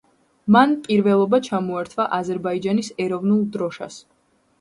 მან პირველობა ჩამოართვა აზერბაიჯანის ეროვნულ დროშას.